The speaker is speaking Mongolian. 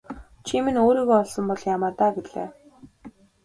Чи минь өөрийгөө олсон бол яамай даа гэлээ.